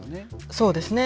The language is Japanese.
そうですね。